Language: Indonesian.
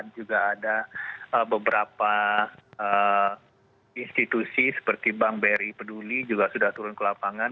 juga ada beberapa institusi seperti bank bri peduli juga sudah turun ke lapangan